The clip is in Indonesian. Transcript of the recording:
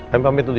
kami pamit dulu ya